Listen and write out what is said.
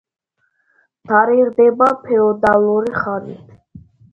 თარიღდება ფეოდალური ხანით.